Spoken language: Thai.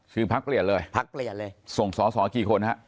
ชื่อพักเปลี่ยนเลยส่งสอสอกี่คนครับ